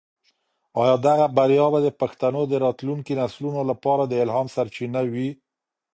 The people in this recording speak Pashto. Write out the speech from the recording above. آیا دغه بریا به د پښتنو د راتلونکي نسلونو لپاره د الهام سرچینه وي؟